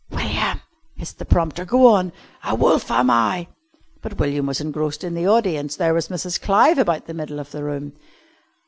"William," hissed the prompter, "go on! 'A wolf am I '" But William was engrossed in the audience. There was Mrs. Clive about the middle of the room.